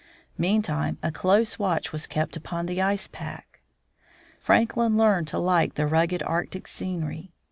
Meantime a close watch was kept upon the ice pack. Franklin learned to like the rugged Arctic scenery.